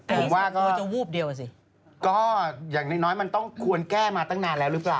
อืมผมว่าก็อย่างน้อยมันต้องควรแก้มาตั้งนานแล้วหรือเปล่า